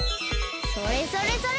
それそれそれ！